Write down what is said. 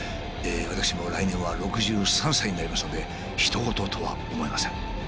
私も来年は６３歳になりますのでひと事とは思えません。